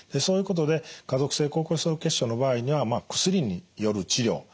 そういうことで家族性高コレステロール血症の場合には薬による治療